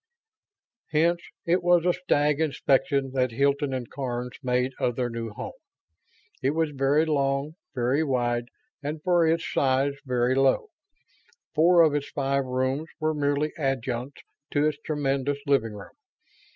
Hence it was a stag inspection that Hilton and Karns made of their new home. It was very long, very wide, and for its size very low. Four of its five rooms were merely adjuncts to its tremendous living room.